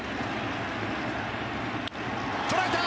捉えた！